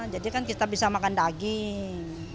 jadi kan kita bisa makan daging